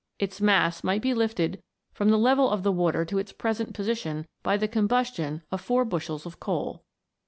Its mass might be lifted from the level of the water to its present position by the com bustion of four bushels of coal.